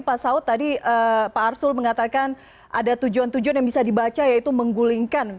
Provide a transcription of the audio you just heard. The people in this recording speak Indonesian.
pak saud tadi pak arsul mengatakan ada tujuan tujuan yang bisa dibaca yaitu menggulingkan